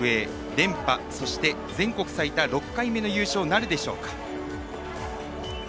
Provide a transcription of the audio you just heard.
連覇、そして全国最多６回目の優勝なるでしょうか。